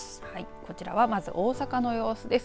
こちらは、まず大阪の様子です。